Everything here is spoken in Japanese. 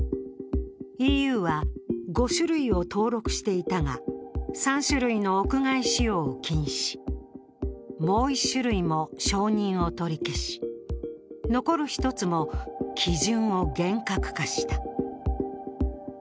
ＥＵは５種類を登録していたが、３種類の屋外使用を禁止、もう１種類も承認を取り消し残る１つも基準を厳格化した。